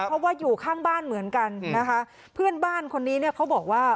เพราะว่าอยู่ข้างบ้านเหมือนกันนะคะเพื่อนบ้านคนนี้เนี่ยเขาบอกว่า